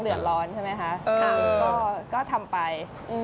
อืมค่ะก็ทำไป